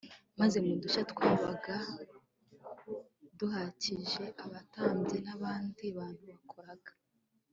maze mu dushyamba twabaga tuhakikije abatambyi nabandi bantu bakoraga